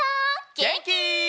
げんき？